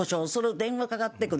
電話かかってくる。